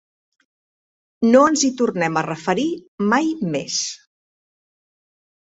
No ens hi tornem a referir mai més.